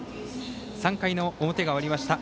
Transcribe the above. ３回の表が終わりました。